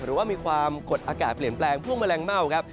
หรือว่ามีความกดอากาศเปลี่ยนแปลงพวกแมลงเม่าครับ